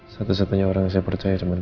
satu satunya orang yang saya percaya cuma kamu